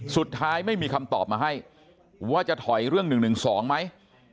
ไม่มีคำตอบมาให้ว่าจะถอยเรื่อง๑๑๒ไหม